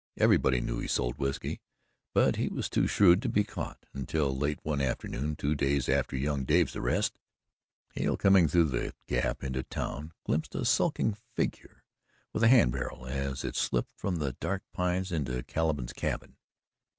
Everybody knew he sold whiskey, but he was too shrewd to be caught, until, late one afternoon, two days after young Dave's arrest, Hale coming through the Gap into town glimpsed a skulking figure with a hand barrel as it slipped from the dark pines into Caliban's cabin.